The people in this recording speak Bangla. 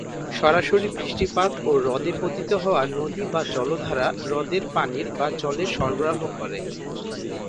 সরাসরি বৃষ্টিপাত ও হ্রদে পতিত হওয়া নদী বা জলধারা হ্রদে পানির বা জলের সরবরাহ করে।